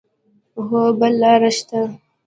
هو، بل لار شته